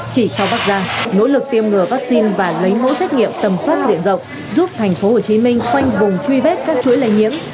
chỉ sau bắt ra nỗ lực tiêm ngừa vaccine và lấy mẫu xét nghiệm tầm phân liện rộng giúp tp hcm khoanh vùng truy vết các chuỗi lây nhiễm